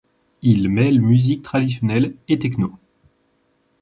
Il mêle musiques traditionnelles et techno.